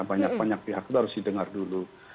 banyak banyak pihak itu harus didengar dulu